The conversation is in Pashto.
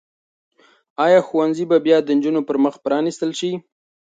آیا ښوونځي به بیا د نجونو پر مخ پرانیستل شي؟